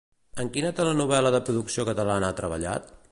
En quina telenovel·la de producció catalana ha treballat?